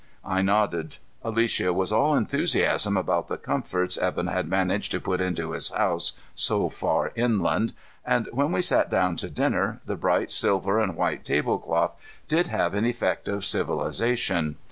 I nodded. Alicia was all enthusiasm about the comforts Evan had managed to put into his house so far inland, and when we sat down to dinner, the bright silver and white tablecloth did give an effect of civilization.